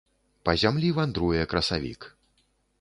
Па зямлі вандруе красавік.